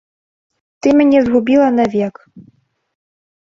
Ты мяне згубіла навек.